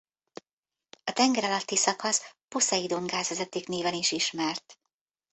A tenger alatti szakasz Poszeidon-gázvezeték néven is ismert.